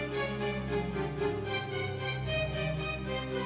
gak masalah mama